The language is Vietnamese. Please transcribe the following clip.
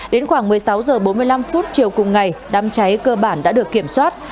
đến khoảng một mươi sáu h bốn mươi năm chiều cùng ngày đám cháy cơ bản đã được kiểm soát